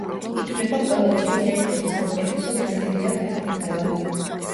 ითვლება ყველა დროის ერთ-ერთ საუკეთესო ბრაზილიელ ფეხბურთელად.